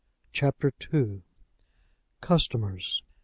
CHAPTER II. CUSTOMERS.